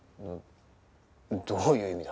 どういう意味だ？